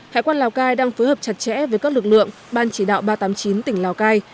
hải quan lào cai đang phối hợp chặt chẽ với các lực lượng ban chỉ đạo ba trăm tám mươi chín tỉnh lào cai